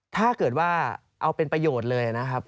ถ้าเกิดว่าเอาเป็นประโยชน์เลยนะครับ